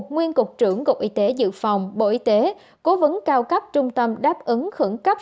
nguyên cục trưởng cục y tế dự phòng bộ y tế cố vấn cao cấp trung tâm đáp ứng khẩn cấp